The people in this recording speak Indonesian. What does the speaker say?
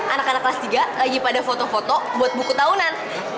anak anak kelas tiga lagi pada foto foto buat buku tahunan